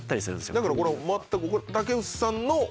だからこれ、全く、竹内さん